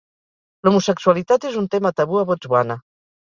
L'homosexualitat és un tema tabú a Botswana.